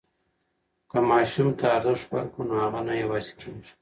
که ماسوم ته ارزښت ورکړو نو هغه نه یوازې کېږي.